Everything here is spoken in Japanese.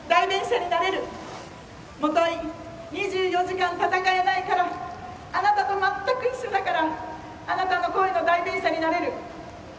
もとい２４時間戦えないからあなたと全く一緒だからあなたの声の代弁者になれる。